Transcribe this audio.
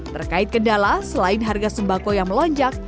terkait kendala selain harga sembako yang melonjak